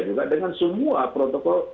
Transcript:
dengan semua protokol